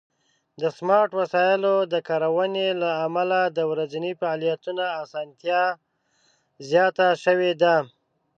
د سمارټ وسایلو د کارونې له امله د ورځني فعالیتونو آسانتیا زیاته شوې ده.